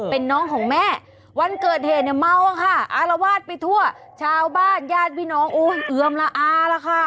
เป็นน้องของแม่วันเกิดเหตุเนี่ยเมาอะค่ะอารวาสไปทั่วชาวบ้านญาติพี่น้องโอ้ยเอือมละอาละค่ะ